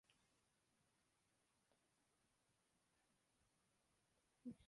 کی درامدی متبادل صنعت کے ذریعے ڈالر کی قدر کم کرنے کی تجویز